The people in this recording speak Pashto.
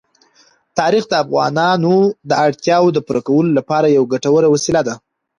تاریخ د افغانانو د اړتیاوو د پوره کولو لپاره یوه ګټوره وسیله ده.